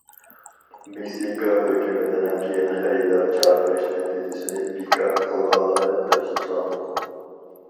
مېكسىكا ھۆكۈمىتىنىڭ كېيىن خېرىدار چاقىرىش نەتىجىسىنى بىكار قىلغانلىقىدىن ئەپسۇسلاندۇق.